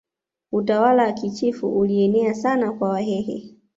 utawala wa kichifu ulienea sana kwa wahehe